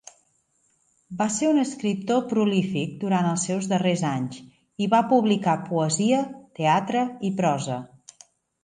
Va ser un escriptor prolífic durant els seus darrers anys i va publicar poesia, teatre i prosa.